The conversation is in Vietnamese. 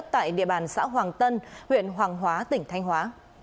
tại địa bàn xã hoàng tân huyện hoàng hóa tỉnh thanh hóa